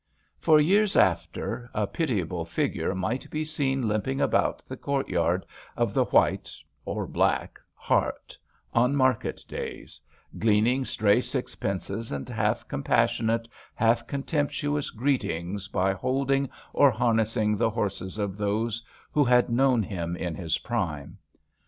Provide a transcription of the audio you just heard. For years after a pitiable figure might be seen limping about the courtyard of the White— or Black — Hart, on market days, gleaning stray sixpences and half compas sionate, half contemptuous greetings by 31 HAMPSHIRE VIGNETTES holding or harnessing the horses of those who had known him in his prime.